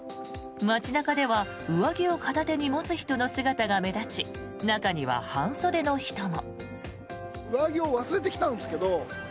街中では上着を片手に持つ人の姿が目立ち中には半袖の人も。